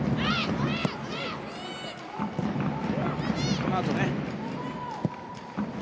このあとね。